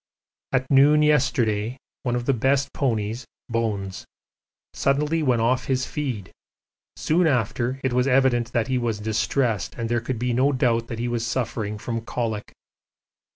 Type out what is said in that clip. At noon yesterday one of the best ponies, 'Bones,' suddenly went off his feed soon after it was evident that he was distressed and there could be no doubt that he was suffering from colic.